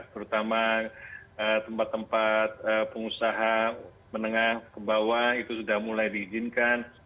terutama tempat tempat pengusaha menengah ke bawah itu sudah mulai diizinkan